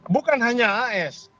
bukan hanya as